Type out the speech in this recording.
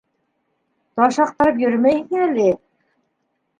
Таш аҡтарып йөрөмәйһең әле...